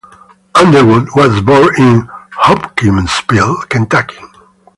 Underwood was born in Hopkinsville, Kentucky.